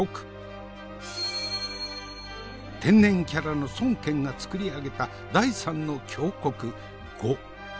天然キャラの孫権が作り上げた第三の強国呉。